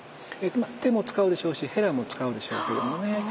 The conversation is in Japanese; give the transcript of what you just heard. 手も使うでしょうしヘラも使うでしょうけれどもね。